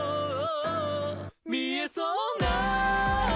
「見えそうな」